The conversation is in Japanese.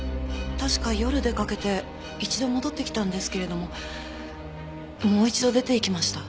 確か夜出かけて一度戻ってきたんですけれどももう一度出て行きました。